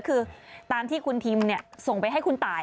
คือตามที่คุณทิมส่งไปให้คุณตาย